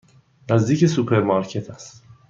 نزدیک سوپرمارکت است.